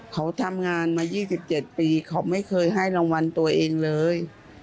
เขาทำงานมา๒๗ปีเขาไม่เคยให้รางวัลตัวเองเลย